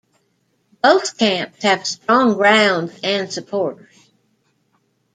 Both camps have strong grounds and supporters.